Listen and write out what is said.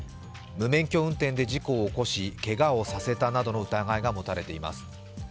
無免許運転で事故を起こしけがをさせたなどの疑いが持たれています。